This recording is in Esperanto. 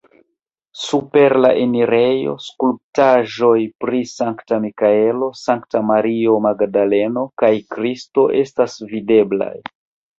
Super la enirejo skulptaĵoj pri Sankta Mikaelo, Sankta Mario Magdaleno kaj Kristo estas videblaj.